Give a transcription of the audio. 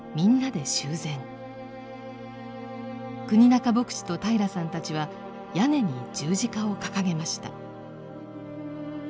国仲牧師と平良さんたちは屋根に十字架を掲げました。